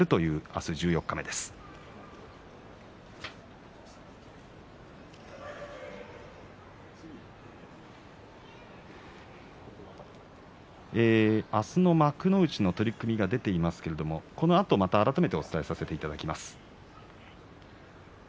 明日の幕内の取組が出ていますけれどもこのあと、また改めてお伝えさせていただきます。